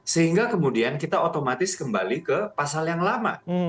sehingga kemudian kita otomatis kembali ke pasal yang lama